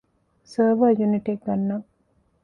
ސަރވަރ ޔުނިޓެއް ގަންނަން